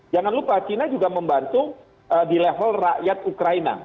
jangan lupa china juga membantu di level rakyat ukraina